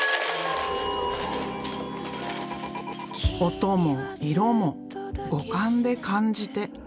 音も色も五感で感じて。